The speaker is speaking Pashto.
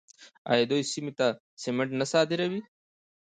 آیا دوی سیمې ته سمنټ نه صادروي؟